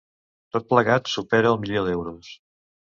Tot plegat supera el milió d’euros.